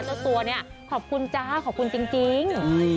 เจ้าตัวเนี่ยขอบคุณจ้าขอบคุณจริง